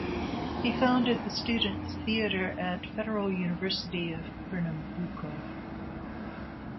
He founded the Student Theater at Federal University of Pernambuco.